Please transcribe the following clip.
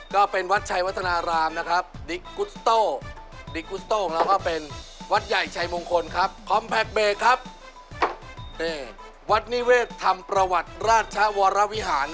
และก็นำเรื่องราวแบบนี้มาโฉว